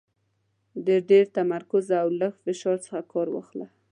د ډېر تمرکز او لږ فشار څخه کار واخله .